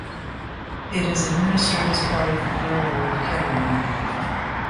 It is administered as part of the borough of Kettering.